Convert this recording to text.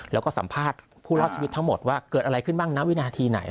แล้วก็สัมภาษณ์ผู้รอดชีวิตทั้งหมดว่าเกิดอะไรขึ้นบ้างณวินาทีไหน